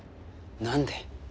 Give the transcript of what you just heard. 何で。